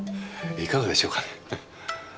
いかがでしょうかね？